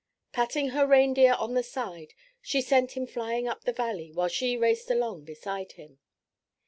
Patting her reindeer on the side, she sent him flying up the valley while she raced along beside him.